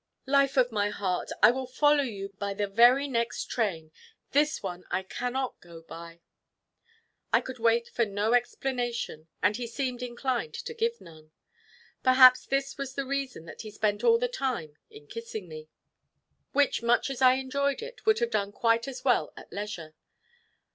"Life of my heart, I will follow you by the very next train. This one I cannot go by." I could wait for no explanation, and he seemed inclined to give none. Perhaps this was the reason that he spent all the time in kissing me; which, much as I enjoyed it, would have done quite as well at leisure.